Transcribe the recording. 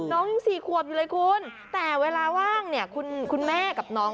น้องยัง๔ขวบอยู่เลยคุณแต่เวลาว่างเนี่ยคุณแม่กับน้อง